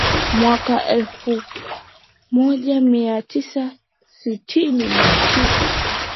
Mwaka wa elfu moja mia tisa sitini na tisa